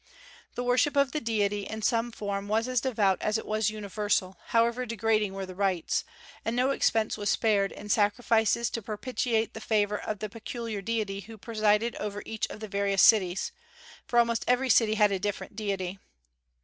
The worship of the Deity, in some form, was as devout as it was universal, however degrading were the rites; and no expense was spared in sacrifices to propitiate the favor of the peculiar deity who presided over each of the various cities, for almost every city had a different deity.